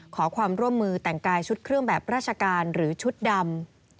ขอความร่วมมือแต่งกายชุดเครื่องแบบราชการหรือชุดดำ